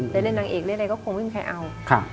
แต่ในนางเอกเล่นอะไรก็คงไม่มีใครเอา